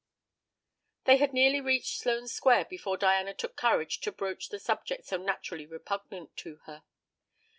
They had nearly reached Sloane Square before Diana took courage to broach the subject so naturally repugnant to her.